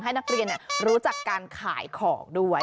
ให้นักเรียนรู้จักการขายของด้วย